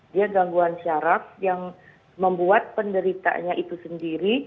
dia gangguan syaraf yang membuat penderitanya itu sendiri